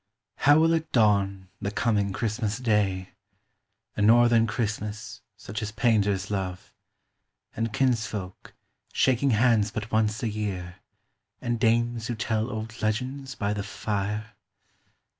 How will it dawn, the coming Christmas day ? A northern Christmas, such as painters love. And kinsfolk, shaking hands but once a year. And dames who tell old legends by the fire